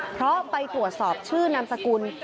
เพราะไปตรวจสอบชื่อนามสกุล